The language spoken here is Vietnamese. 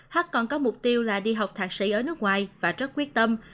hắt còn có mục tiêu là đi học thạc sĩ ở nước ngoài và rất quyết tâm